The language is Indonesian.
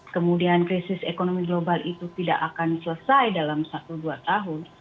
kemudian krisis ekonomi global itu tidak akan selesai dalam satu dua tahun